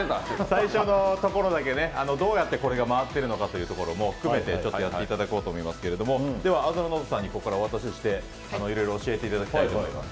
最初のところだけどうやってこれが回っているのかも含めてやっていただこうと思いますが青宙ノートさんにここからお渡ししていろいろ教えていただきたいと思います。